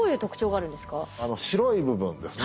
あの白い部分ですね